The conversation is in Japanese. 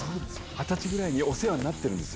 二十歳ぐらいにお世話になってるんです。